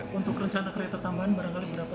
untuk rencana kereta tambahan barangkali berapa